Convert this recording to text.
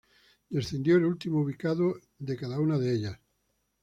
Descendió el último ubicado de cada una de ellas.